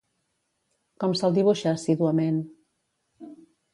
Com se'l dibuixa assíduament?